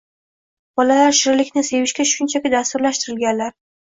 Bolalar shirinlikni sevishga shunchaki dasturlashtirilganlar